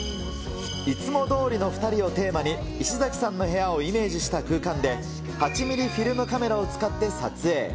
いつもどおりの２人をテーマに、石崎さんの部屋をイメージした空間で、８ミリフィルムカメラを使って撮影。